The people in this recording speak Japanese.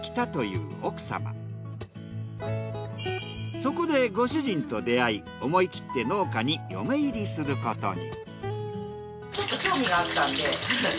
そこでご主人と出会い思い切って農家に嫁入りすることに。